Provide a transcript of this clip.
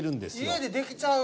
家で出来ちゃう。